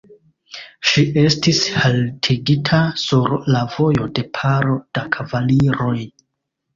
Ŝi estis haltigita sur la vojo de paro da kavaliroj.